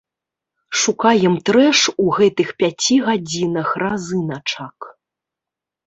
Шукаем трэш у гэтых пяці гадзінах разыначак.